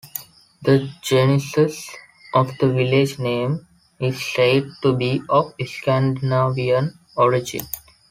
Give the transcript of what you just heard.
The genesis of the village name is said to be of Scandinavian origin.